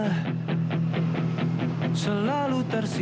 berkesan kok pepek